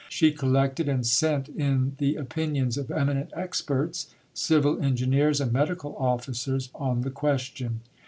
She collected and sent in the opinions of eminent experts civil engineers and medical officers on the question.